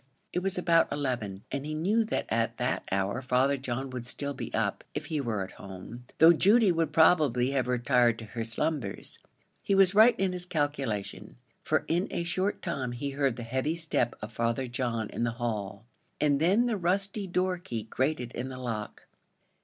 It was about eleven, and he knew that at that hour Father John would still be up, if he were at home, though Judy would probably have retired to her slumbers. He was right in his calculation; for in a short time he heard the heavy step of Father John in the hall, and then the rusty door key grated in the lock.